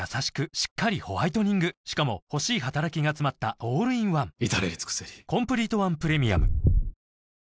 しっかりホワイトニングしかも欲しい働きがつまったオールインワン至れり尽せり［を正確に捉えるのは極めて難しい］